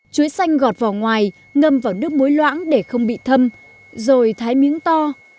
chuối xanh gọt vào ngoài ngâm vào nước muối loãng để không bị thâm rồi thái miếng to